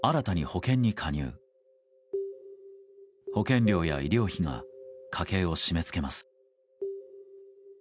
保険料や医療費が家計を締めつけます。